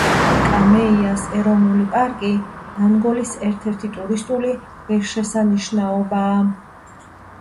კამეიას ეროვნული პარკი ანგოლის ერთ-ერთი ტურისტული ღირსშესანიშნაობაა.